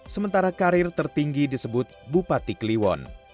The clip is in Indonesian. sementara karir tertinggi disebut bupati kliwon